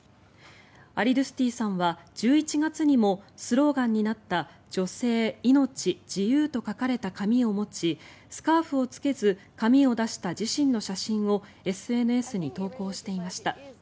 アリドゥスティさんは１１月にもスローガンになった「女性、命、自由」と書かれた紙を持ちスカーフを着けず髪を出した自身の写真をＳＮＳに投稿していました。